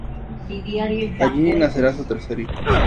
Allí nacerá su tercer hijo.